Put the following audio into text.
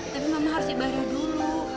tapi mama harus ibadah dulu